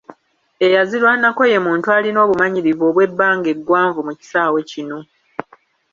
Eyazirwanako ye muntu alina obumanyirivu obw'ebbanga eggwanvu mu kisaawe ekimu.